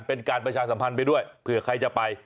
เป็นการประชาสัมพันธ์ไปด้วยเผื่อใครจะไป